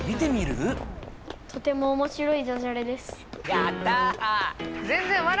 やった。